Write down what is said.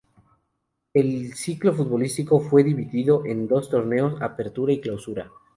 El ciclo futbolístico fue dividido en dos torneos: Apertura y Clausura.